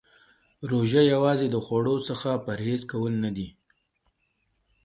روژه یوازې د خوړو څخه پرهیز کول نه دی .